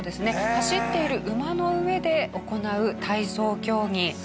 走っている馬の上で行う体操競技。